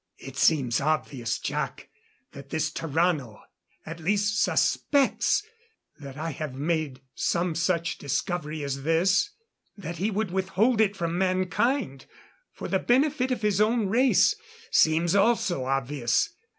"It seems obvious, Jac, that this Tarrano at least suspects that I have made some such discovery as this. That he would withhold it from mankind, for the benefit of his own race, seems also obvious.